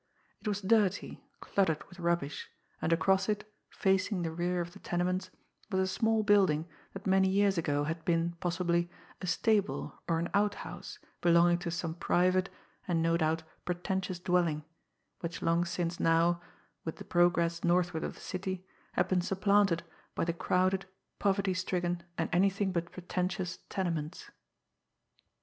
It was dirty, cluttered with rubbish, and across it, facing the rear of the tenements, was a small building that many years ago had been, possibly, a stable or an outhouse belonging to some private and no doubt pretentious dwelling, which long since now, with the progress northward of the city, had been supplanted by the crowded, poverty stricken, and anything but pretentious tenements.